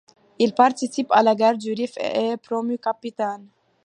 Il participe à la guerre du Rif et est promu capitaine.